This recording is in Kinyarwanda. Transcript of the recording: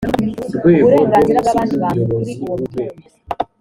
uburenganzira bw’abandi bantu kuri uwo mutungo